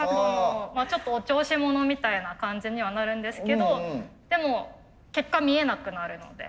ちょっとお調子者みたいな感じにはなるんですけどでも結果見えなくなるので。